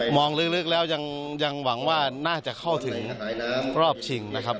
ลึกแล้วยังหวังว่าน่าจะเข้าถึงรอบชิงนะครับ